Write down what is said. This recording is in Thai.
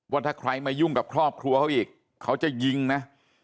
ว่าถ้าใครมายุ่งกับครอบครัวเขาอีกเขาจะยิงนะ